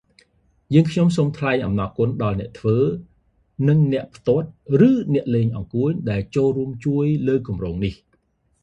យើងខ្ញុំសូមថ្លែងអំណរគុណដល់អ្នកធ្វើ និងអ្នកផ្ទាត់ ឬលេងអង្កួច ដែលចូលរួមជួយលើគម្រោងនេះ